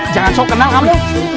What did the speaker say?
jangan sok kenal kamu